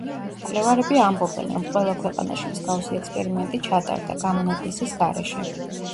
მკვლევარები ამბობენ, რომ ყველა ქვეყანაში მსგავსი ექსპერიმენტი ჩატარდა, გამონაკლისის გარეშე.